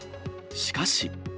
しかし。